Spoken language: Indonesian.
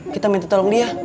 kita minta tolong dia